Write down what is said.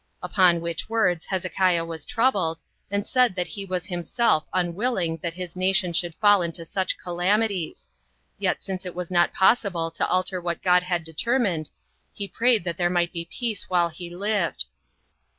Upon which words Hezekiah was troubled, and said that he was himself unwilling that his nation should fall into such calamities; yet since it is not possible to alter what God had determined, he prayed that there might be peace while he lived.